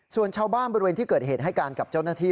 ส่วนชาวบ้านบริเวณที่เกิดเหตุให้การกับเจ้าหน้าที่